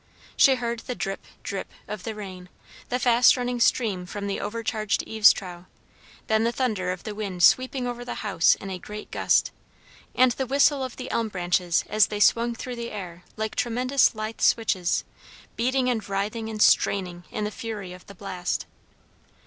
She heard the drip, drip of the rain; the fast running stream from the overcharged eaves trough; then the thunder of the wind sweeping over the house in a great gust; and the whistle of the elm branches as they swung through the air like tremendous lithe switches, beating and writhing and straining in the fury of the blast.